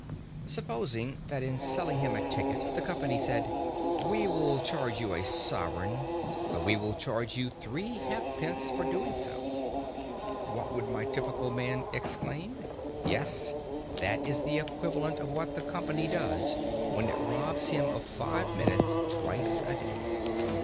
Supposing that in selling him a ticket the company said, "We will change you a sovereign, but we shall charge you three halfpence for doing so," what would my typical man exclaim? Yet that is the equivalent of what the company does when it robs him of five minutes twice a day.